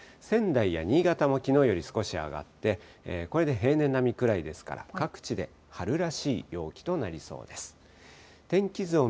仙台や新潟も、きのうより少し上がって、これで平年並みくらいですから、各地で春らしい陽気となりそうです。